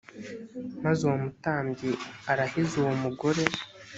maze uwo mutambyi arahize uwo mugore